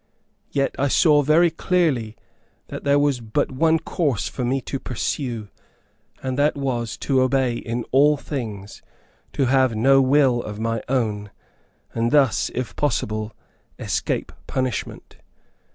Yet I saw very clearly that there was but one course for me to pursue, and that was, to obey in all things; to have no will of my own, and thus, if possible, escape punishment.